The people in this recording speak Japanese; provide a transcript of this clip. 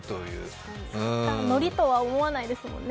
のりとは思わないですもんね。